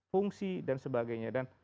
fungsi dan sebagainya dan